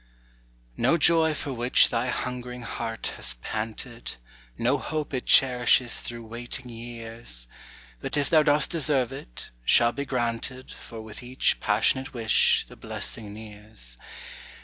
No joy for which thy hungering heart has panted, No hope it cherishes through waiting years, But if thou dost deserve it, shall be granted For with each passionate wish the blessing nears.